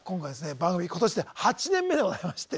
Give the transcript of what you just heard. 番組今年で８年目でございまして。